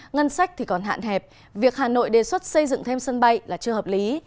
ngân sách thì còn hạn hẹp việc hà nội đề xuất xây dựng thêm sân bay là chưa hợp lý